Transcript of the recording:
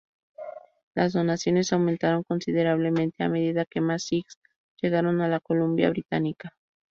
Las donaciones aumentaron considerablemente, a medida que más sijs llegaron a la Columbia Británica.